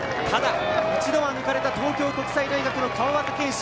一度は抜かれた東京国際大学の川端拳史。